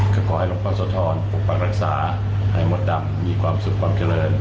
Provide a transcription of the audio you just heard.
ก็ขอให้หลวงพ่อโสธรปกปักรักษาให้มดดำมีความสุขความเจริญ